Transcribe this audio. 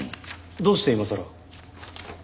どうして今さら？